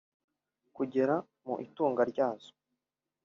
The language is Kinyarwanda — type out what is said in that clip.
kugera mu itunga ryazo